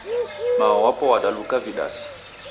Mao wapo wadaluka vidasi.